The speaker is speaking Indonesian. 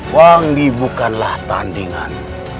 wangdi bukanlah tandingan